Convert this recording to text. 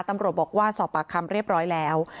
ตำรวจบอกว่าสอบปากคำเรียบร้อยแล้ว